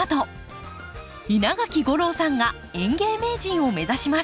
稲垣吾郎さんが園芸名人を目指します。